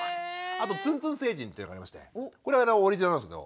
あとつんつん星人っていうのがありましてこれはオリジナルなんですけど。